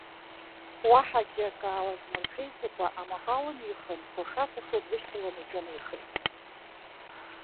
Уаҳагьы акы аалызмырҽеиӡакәа, амаҟа лымихын, дкәаша-кәашо длышьҭалан иҿынеихеит.